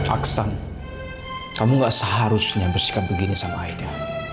aksan kamu gak seharusnya bersikap begini sama aida